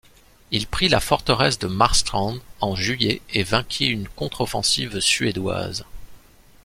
Il prit la forteresse de Marstrand en juillet et vainquit une contre-offensive suédoise.